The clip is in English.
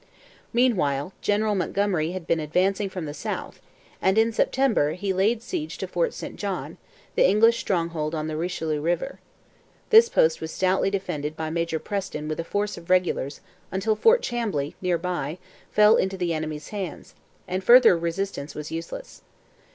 Meanwhile General Montgomery had been advancing from the south, and, in September, he laid siege to Fort St John, the English stronghold on the Richelieu river. This post was stoutly defended by Major Preston with a force of regulars until Fort Chambly, near by, fell into the enemy's hands, and further resistance was useless.